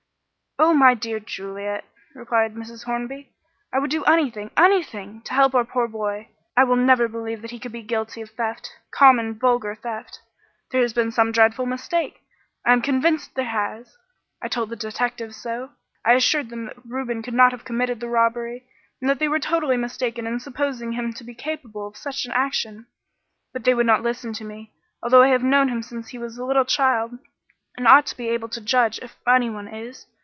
"Oh, my dear Juliet," replied Mrs. Hornby, "I would do anything anything to help our poor boy. I will never believe that he could be guilty of theft common, vulgar theft. There has been some dreadful mistake I am convinced there has I told the detectives so. I assured them that Reuben could not have committed the robbery, and that they were totally mistaken in supposing him to be capable of such an action. But they would not listen to me, although I have known him since he was a little child, and ought to be able to judge, if anyone is.